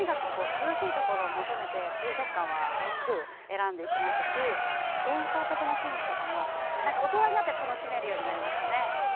涼しいところを求めて水族館はよく選んで行きますし幻想的な雰囲気とかも大人になって楽しめるようになりましたね。